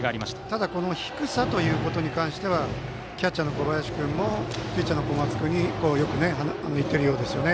ただ低さということに関してはキャッチャーの小林君もピッチャーの小松君によく言っているようですね。